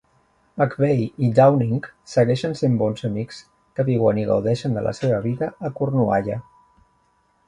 McVay i Downing segueixen sent bons amics que viuen i gaudeixen de la seva vida a Cornualla.